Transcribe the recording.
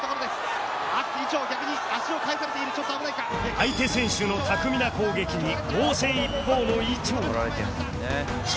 相手選手の巧みな攻撃に防戦一方の伊調